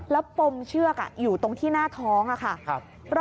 แล้วปมเชือกอยู่ตรงที่หน้าท้องค่ะ